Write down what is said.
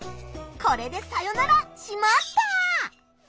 これでさよなら「しまった！」。